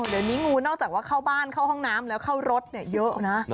เดี๋ยวนี้งูนอกจากว่าเข้าบ้านเข้าห้องน้ำแล้วเข้ารถเยอะนะ